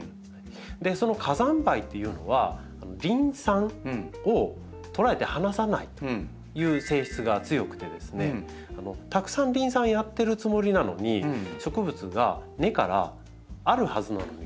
その火山灰っていうのはリン酸をとらえて離さないという性質が強くてですねたくさんリン酸やってるつもりなのに植物が根からあるはずなのに吸えないっていう状態になるんですよ。